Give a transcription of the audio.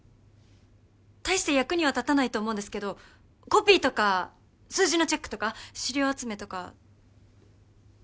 大して役には立たないと思うんですけどコピーとか数字のチェックとか資料集めとか。